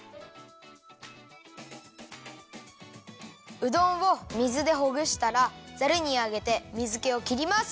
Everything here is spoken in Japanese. うどんを水でほぐしたらざるにあげて水けをきります！